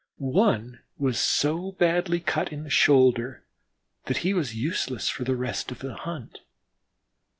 One was so badly cut in the shoulder that he was useless for the rest of the hunt.